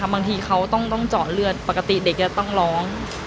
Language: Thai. บางทีเขาต้องเจาะเลือดปกติเด็กจะต้องร้อง